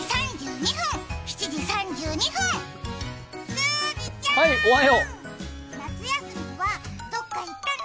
スーギちゃん、夏休みはどっか行ったの？